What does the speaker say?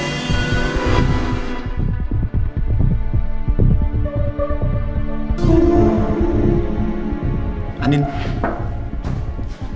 rena tadi ada papa di mana